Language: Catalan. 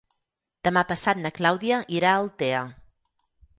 Demà passat na Clàudia irà a Altea.